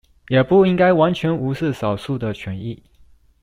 也不應該完全無視少數的權益